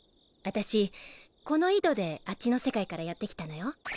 アタシこの井戸であっちの世界からやって来たのよ。